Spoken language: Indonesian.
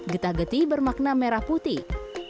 getah getih bermakna merah putih